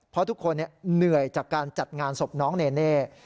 เพราะทุกคนเหนื่อยจากการจัดงานศพน้องเนเน่